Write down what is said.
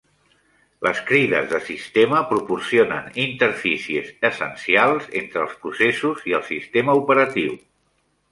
Les crides de sistema proporcionen interfícies essencials entre els processos i el sistema operatiu.